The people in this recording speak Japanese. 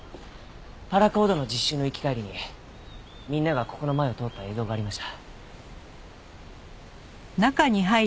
パラコードの実習の行き帰りにみんながここの前を通った映像がありました。